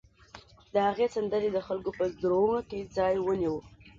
د هغه سندرې د خلکو په زړونو کې ځای ونیو